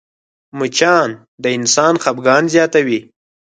مچان د انسان خفګان زیاتوي